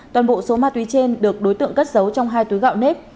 toàn bộ số ma túy trên được đối tượng cất giấu trong hai túi gạo nếp